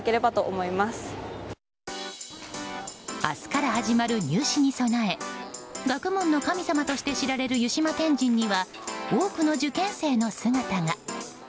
明日から始まる入試に備え学問の神様として知られる湯島天神には多くの受験生の姿が。